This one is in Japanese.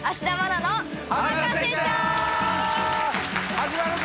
始まるぞ！